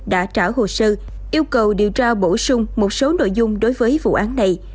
đã trả hồ sơ yêu cầu điều tra bổ sung một số nội dung đối với vụ án này